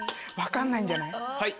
分かんないんじゃない？